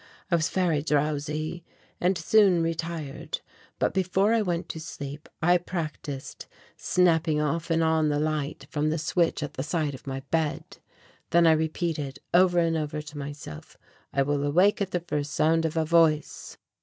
I was very drowsy and soon retired, but before I went to sleep I practised snapping off and on the light from the switch at the side of my bed. Then I repeated over and over to myself "I will awake at the first sound of a voice."